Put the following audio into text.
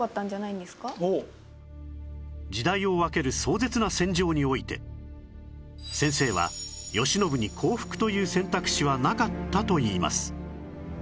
時代を分ける壮絶な戦場において先生は慶喜に降伏という選択肢はなかったといいます